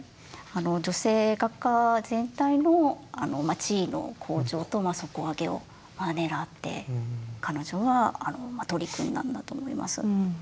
女性画家全体の地位の向上と底上げをねらって彼女は取り組んだんだと思います。